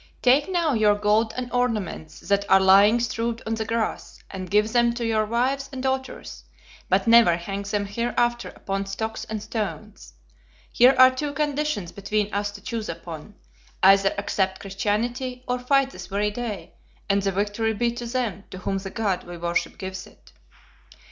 Take now your gold and ornaments that are lying strewed on the grass, and give them to your wives and daughters, but never hang them hereafter upon stocks and stones. Here are two conditions between us to choose upon: either accept Christianity, or fight this very day, and the victory be to them to whom the God we worship gives it.'